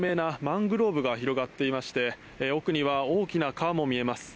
こちらは観光地として有名なマングローブが広がっていまして奥には大きな川も見えます。